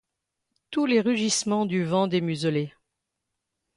Tous les rugissements du vent démuselé